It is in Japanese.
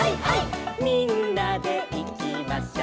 「みんなでいきましょう」